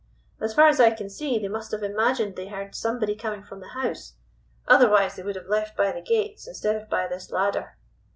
As far as I can see they must have imagined they heard somebody coming from the house, otherwise they would have left by the gates instead of by this ladder."